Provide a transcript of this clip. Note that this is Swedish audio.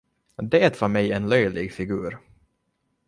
Det var mig en löjlig figur.